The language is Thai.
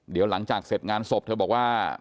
เดี๋ยวหลังจากเสร็จงานศพเธอบอกว่า